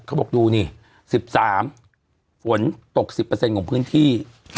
เขาบอกดูนี่สิบสามฝนตกสิบเปอร์เซ็นต์ของพื้นที่